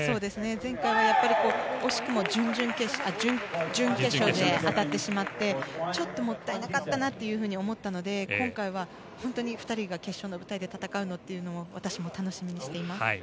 前回は惜しくも準々決勝で当たってしまってちょっともったいなかったなと思ったので今回は本当に２人が決勝の舞台で戦うのを私も楽しみにしています。